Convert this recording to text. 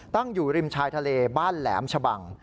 ตั้งอยู่ริมชายทะเลบ้านแหลมชะบัง